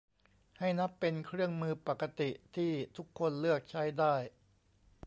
ให้นับเป็นเครื่องมือปกติที่ทุกคนเลือกใช้ได้